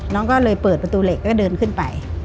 น้องก็เลยเปิดประตูเหล็กแล้วก็เดินขึ้นไป